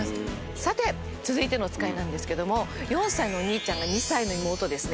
さて続いてのおつかいなんですけども４歳のお兄ちゃんが２歳の妹をですね